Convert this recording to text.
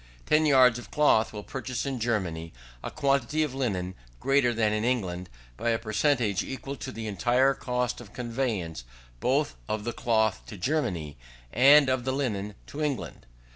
Ten yards of cloth will purchase in Germany a quantity of linen greater than in England by a per centage equal to the entire cost of conveyance both of the cloth to Germany and of the linen to England.